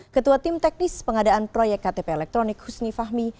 ketua tim teknis pengadaan proyek ktp elektronik husni fahmi